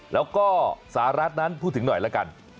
แล้วก็สหรัฐนั้นพูดถึงหน่อยละกัน